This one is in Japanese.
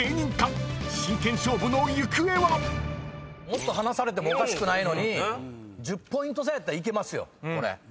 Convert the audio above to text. もっと離されてもおかしくないのに１０ポイント差やったらいけますよこれ。